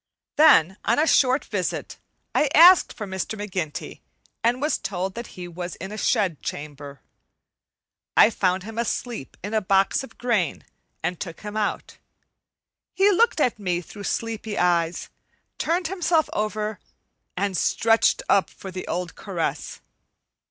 Then on a short visit, I asked for Mr. McGinty and was told that he was in a shed chamber. I found him asleep in a box of grain and took him out; he looked at me through sleepy eyes, turned himself over and stretched up for the old caress.